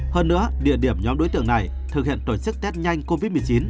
hơn nữa địa điểm nhóm đối tượng này thực hiện tổ chức test nhanh covid một mươi chín